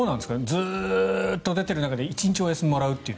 ずっと出ている中で１日お休みをもらうという。